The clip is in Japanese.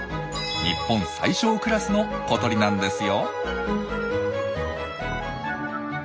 日本最小クラスの小鳥なんですよ。